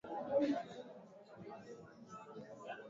chambua mtembele yako